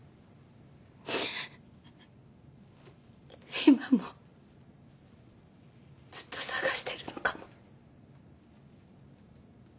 今もずっと捜してるのかも。